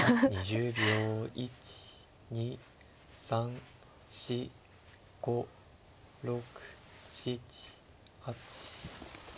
１２３４５６７８。